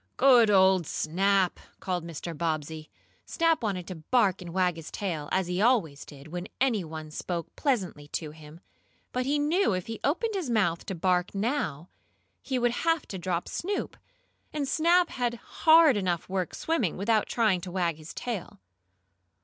"Good old Snap!" called Mr. Bobbsey. Snap wanted to bark and wag his tail, as he always did when any one spoke pleasantly to him, but he knew if he opened his mouth to bark now, he would have to drop Snoop. And Snap had hard enough work swimming, without trying to wag his tail.